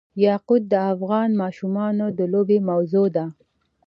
یاقوت د افغان ماشومانو د لوبو موضوع ده.